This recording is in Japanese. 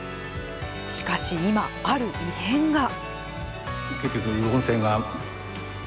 しかし今、ある異変が。